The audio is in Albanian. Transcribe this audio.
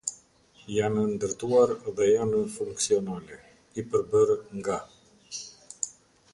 Janë ndërtuar dhe janë funksionale: i përbërë nga.